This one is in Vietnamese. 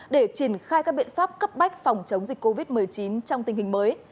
để triển khai các biện pháp cấp bách phòng chống dịch covid một mươi chín trong tình hình mới